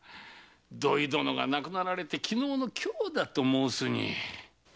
土井殿が亡くなられて昨日の今日だと申すに。